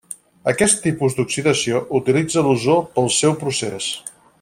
Aquest tipus d'oxidació utilitza l'ozó pel seu procés.